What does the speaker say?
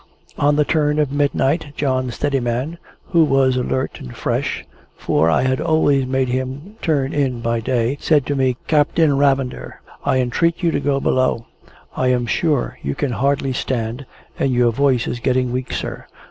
On the turn of midnight, John Steadiman, who was alert and fresh (for I had always made him turn in by day), said to me, "Captain Ravender, I entreat of you to go below. I am sure you can hardly stand, and your voice is getting weak, sir.